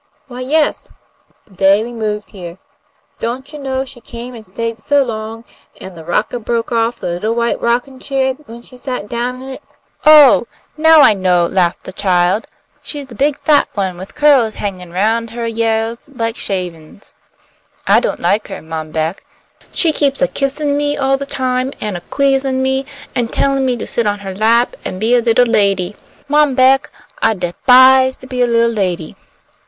"Why, yes, the day we moved heah. Don't you know she came and stayed so long, and the rockah broke off the little white rockin' chair when she sat down in it?" "Oh, now I know!" laughed the child. "She's the big fat one with curls hangin' round her yeahs like shavin's. I don't like her, Mom Beck. She keeps a kissin' me all the time, an' a 'queezin' me, an' tellin' me to sit on her lap an' be a little lady. Mom Beck, I de'pise to be a little lady."